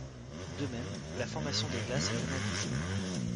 De même, la formation des glaces est analysée.